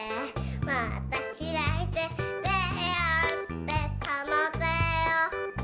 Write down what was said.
「またひらいててをうってそのてを」